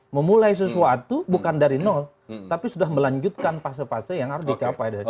memulai sesuatu bukan dari nol tapi sudah melanjutkan fase fase yang harus dicapai